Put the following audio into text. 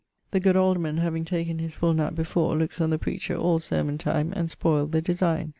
The good alderman having taken his full nap before, lookes on the preacher all sermon time, and spoyled the designe.